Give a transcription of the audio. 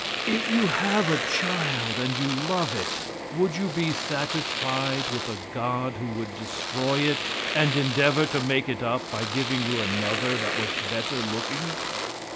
If you have a child, and you love it, would you be satisfied with a god who would destroy it, and endeavor to make it up by giving you another that was better looking?